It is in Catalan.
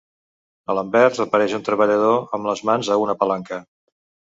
A l'anvers apareix un treballador amb les mans a una palanca.